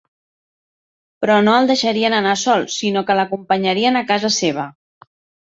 Però no el deixarien anar sol, sinó que l'acompanyarien a casa seva.